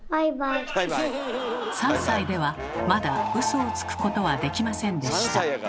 ３歳ではまだウソをつくことはできませんでした。